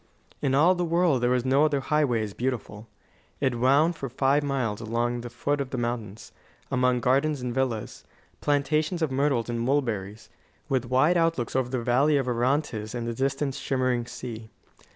In all the world there was no other highway as beautiful. It wound for five miles along the foot of the mountains, among gardens and villas, plantations of myrtles and mulberries, with wide outlooks over the valley of Orontes and the distant, shimmering sea.